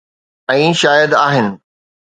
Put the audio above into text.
۽ شايد آهن.